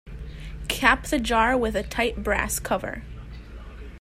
Cap the jar with a tight brass cover.